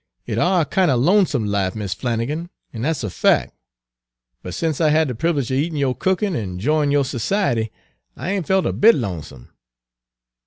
"It are a kind er lonesome life, Mis' Flannigan, an' dat's a fac'. But sence I had de privilege er eatin' yo' cookin' an' 'joyin' yo' society, I ain' felt a bit lonesome."